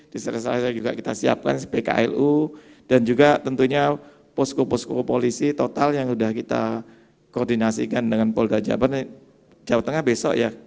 disana sana juga kita siapkan spklu dan juga tentunya posko posko polisi total yang sudah kita koordinasikan dengan polda jawa tengah besok ya